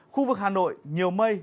khu vực hà nội nhiều mây